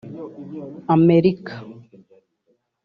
Amerika